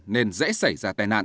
nên dễ xảy ra tai nạn